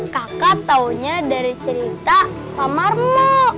kakak taunya dari cerita pak marno